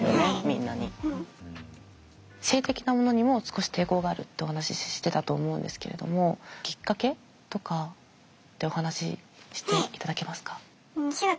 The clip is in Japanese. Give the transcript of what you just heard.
性的なものにも少し抵抗があるってお話ししてたと思うんですけれどもきっかけとかってお話ししていただけますか。